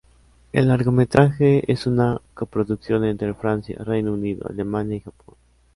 El largometraje es una coproducción entre Francia, Reino Unido, Alemania y Japón.